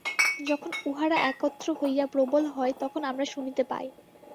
যখন উহারা একত্র হইয়া প্রবল হয়, তখন আমরা শুনিতে পাই।